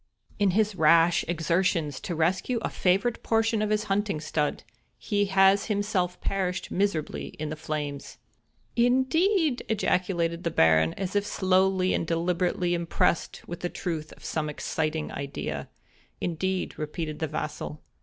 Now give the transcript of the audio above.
"In his rash exertions to rescue a favorite portion of his hunting stud, he has himself perished miserably in the flames." "I n d e e d !" ejaculated the Baron, as if slowly and deliberately impressed with the truth of some exciting idea. "Indeed;" repeated the vassal.